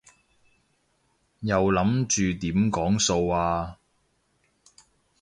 又諗住點講數啊？